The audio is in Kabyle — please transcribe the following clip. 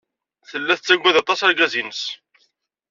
Tella tettagad aṭas argaz-nnes.